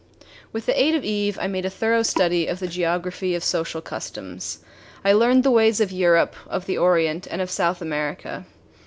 With the aid of Eve, I made a thorough study of the geography of social customs. I learned the ways of Europe, of the Orient, and of South America.